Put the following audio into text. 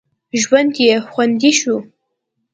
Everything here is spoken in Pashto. ژوند یې خوندي شو.